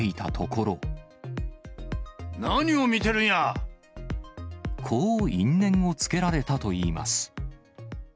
こう因縁をつけられたといいます。